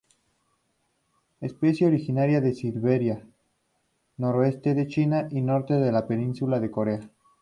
Especie originaria de Siberia, noreste de China y norte de la península de Corea.